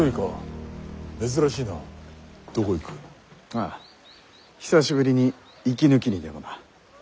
ああ久しぶりに息抜きにでもな。